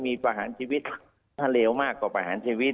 มีประหารชีวิตถ้าเลวมากกว่าประหารชีวิต